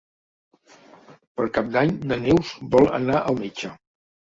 Per Cap d'Any na Neus vol anar al metge.